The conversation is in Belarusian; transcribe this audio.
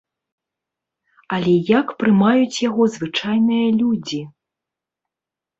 Але як прымаюць яго звычайныя людзі?